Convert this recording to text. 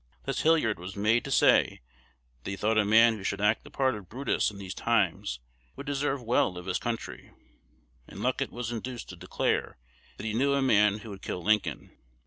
Thus Hilliard was made to say that he thought a man who should act the part of Brutus in these times would deserve well of his country; and Luckett was induced to declare that he knew a man who would kill Lincoln.